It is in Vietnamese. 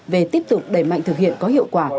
về tiếp tục đẩy mạnh thực hiện có hiệu quả